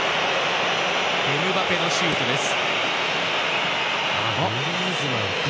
エムバペのシュートでした。